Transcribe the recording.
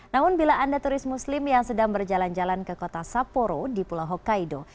namun bila anda turis muslim yang sedang berjalan jalan ke kota saporo di pulau hokkaido